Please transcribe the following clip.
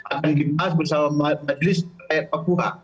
akan kita bersama majelis perayaan papua